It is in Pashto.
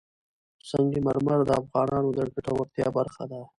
سنگ مرمر د افغانانو د ګټورتیا برخه ده.